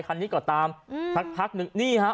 คันนี้ก็ตามสักพักนึง